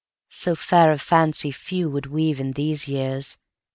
So fair a fancy few would weave In these years!